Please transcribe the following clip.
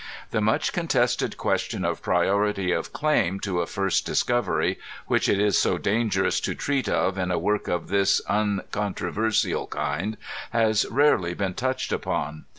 The much ccm tested question of priority of claim to a £rst discovery, which it is so dangei'ous to treat of in a work of this uneontrovendal kind, has rarely bieen touched upon.